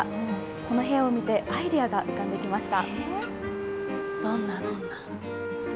この部屋を見て、アイデアが浮かんできました。